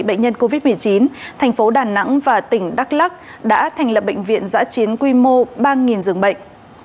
bệnh nhân covid một mươi chín thành phố đà nẵng và tỉnh đắk lắc đã thành lập bệnh viện giã chiến quy mô ba giường bệnh